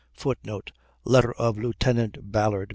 [Footnote: Letter of Lieutenant Ballard.